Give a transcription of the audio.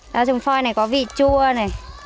lá trồng phoi này có vị chua này